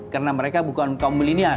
karena mereka bukan kaum milenial